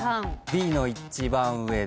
Ｂの一番上で。